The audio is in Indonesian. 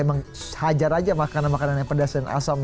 emang hajar aja makanan makanan yang pedas dan asam